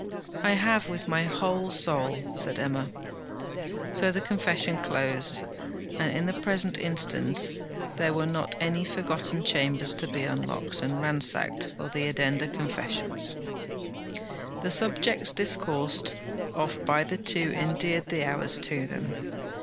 'I have, with my whole soul,' said Emma. So the confession closed; and in the present instance there were not any forgotten chambers to be unlocked and ransacked for addenda confessions. The subjects discoursed of by the two endeared the hours to them.